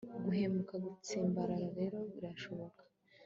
guhumeka. gutsimbarara rero birashoboka